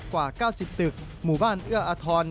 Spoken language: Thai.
กว่า๙๐ตึกหมู่บ้านเอื้ออทร